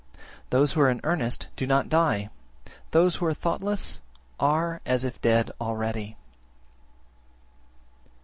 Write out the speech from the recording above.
Those who are in earnest do not die, those who are thoughtless are as if dead already.